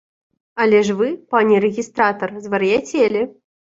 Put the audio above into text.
Але ж вы, пане рэгістратар, звар'яцелі.